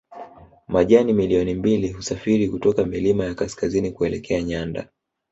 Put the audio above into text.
Majani milioni mbili husafiri kutoka milima ya kaskazini kuelekea nyanda